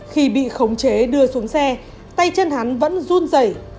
khi bị khống chế đưa xuống xe tay chân hắn vẫn run dày